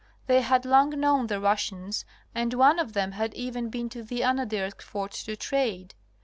They had long known the Russians and one of them had even been to the Anadyrsk fort to trade.